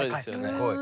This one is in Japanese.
すごい。